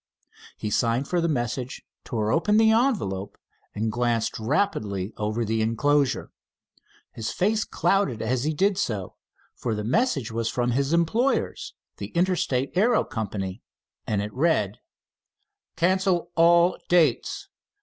He signed for the message, tore open the envelope, and glanced rapidly over the enclosure. His face clouded as he did so, for the message was from his employers, the Interstate Aero Company, and it read: "Cancel all dates.